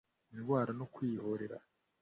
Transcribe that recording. indwara no kwihorera